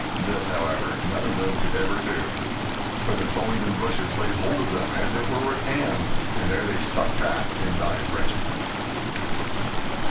This, however, none of them could ever do; for the thorns and bushes laid hold of them, as it were with hands; and there they stuck fast, and died wretchedly.